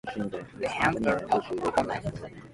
The Huns are upon us.